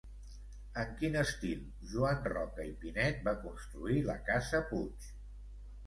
En quin estil Joan Roca i Pinet va construir la casa Puig?